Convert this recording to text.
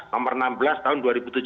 nomor enam belas tahun dua ribu tujuh belas